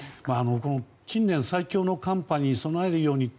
近年最強の寒波に備えるようにって